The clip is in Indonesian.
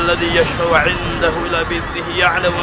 mereka semua menyusup ke istana